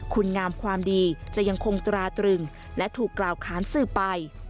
คุณงามความดีจะยังคงตราตรึงและถูกกล่าวค้านสื่อไป